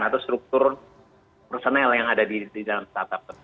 atau struktur personel yang ada di dalam startup